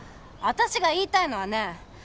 私が言いたいのはね